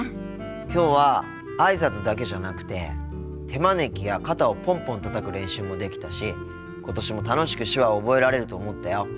きょうはあいさつだけじゃなくて手招きや肩をポンポンたたく練習もできたし今年も楽しく手話を覚えられると思ったよ。